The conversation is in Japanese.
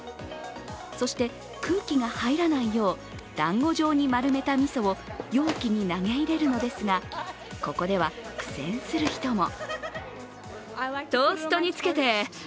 そして空気が入らないようだんご状に丸めたみそを容器に投げ入れるのですが、ここでは苦戦する人も。